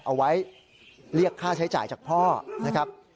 เอาไว้เรียกค่าใช้จ่ายจากพ่อนะครับ